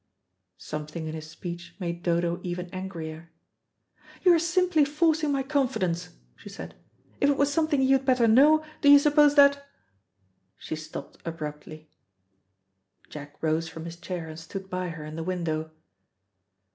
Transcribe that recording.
Something in his speech made Dodo even angrier. "You are simply forcing my confidence," she said. "If it was something you had better know, do you suppose that " She stopped abruptly. Jack rose from his chair and stood by her in the window.